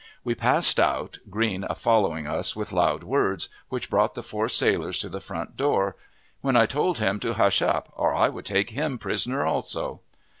We passed out, Green following us with loud words, which brought the four sailors to the front door, when I told him to hush up or I would take him prisoner also.